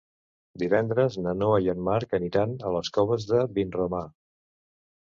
Divendres na Noa i en Marc aniran a les Coves de Vinromà.